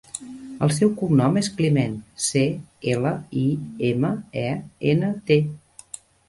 El seu cognom és Climent: ce, ela, i, ema, e, ena, te.